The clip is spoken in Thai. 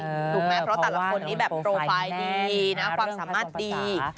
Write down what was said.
ถูกไหมเพราะแต่ละคนนี้แบบโปรไฟล์ดีนะความสามารถดี